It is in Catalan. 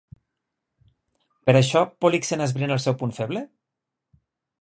Per això, Políxena esbrina el seu punt feble?